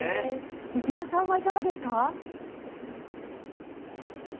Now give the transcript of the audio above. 内田さんはいかがですか？